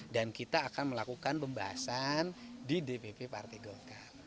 dan kita akan melakukan pembahasan di dpp partai golkar